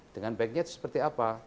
dengan baiknya itu seperti apa